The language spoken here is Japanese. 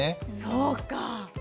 そうかぁ。